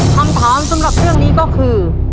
คำถามสำหรับเรื่องนี้ก็คือ